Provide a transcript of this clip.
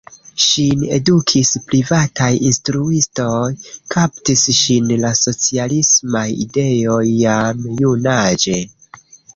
Ŝin edukis privataj instruistoj, kaptis ŝin la socialismaj ideoj jam junaĝe.